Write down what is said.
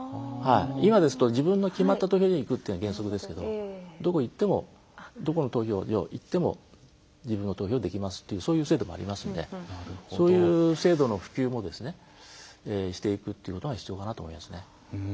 今ですと自分の決まった投票所に行くっていうのが原則ですけどどこに行ってもどこの投票所行っても自分の投票ができますというそういう制度もありますのでそういう制度の普及もしていくということが必要かなと思いますね。